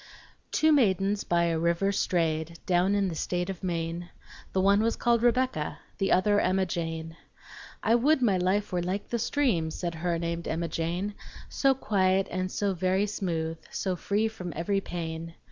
Two maidens by a river strayed Down in the state of Maine. The one was called Rebecca, The other Emma Jane. "I would my life were like the stream," Said her named Emma Jane, "So quiet and so very smooth, So free from every pain."